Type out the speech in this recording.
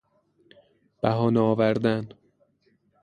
بهانه آوردن